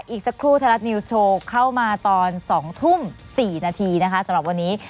อีกสักครู่ไทยรัฐนิวส์โชว์เข้ามาตอน๒ทุ่ม๔นาทีนะคะสำหรับวันนี้